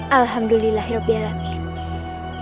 alhamdulillah hiropia lami